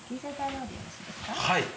はい。